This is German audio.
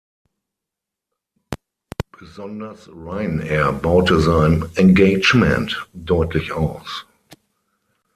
Besonders Ryanair baute sein Engagement deutlich aus.